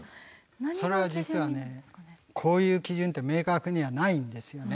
それは実はねこういう基準って明確にはないんですよね。